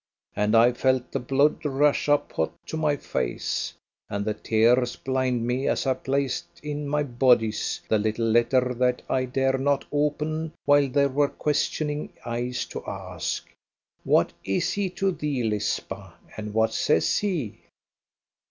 And I felt the blood rush up hot to my face, and the tears blind me as I placed in my bodice the little letter that I dare not open while there were questioning eyes to ask: "What is he to thee, Lisba, and what says he?"